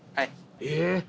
え！